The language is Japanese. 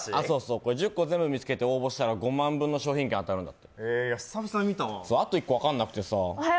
これ１０個全部見つかって応募したら５万分の商品券がもらえるってあと１個分からなくてさ。